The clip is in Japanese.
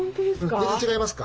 全然違いますか？